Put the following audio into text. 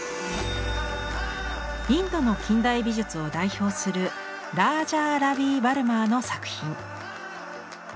インドの近代美術を代表するラージャー・ラヴィ・ヴァルマーの作品。